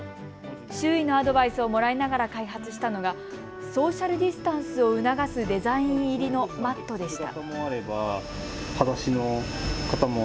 周囲のアドバイスをもらいながら開発したのがソーシャルディスタンスを促すデザイン入りのマットでした。